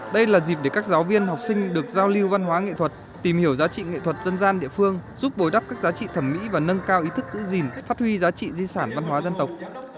đây là dịp để các giáo viên học sinh được giao lưu văn hóa nghệ thuật tìm hiểu giá trị nghệ thuật dân gian địa phương giúp bồi đắp các giá trị thẩm mỹ và nâng cao ý thức giữ gìn phát huy giá trị di sản văn hóa dân tộc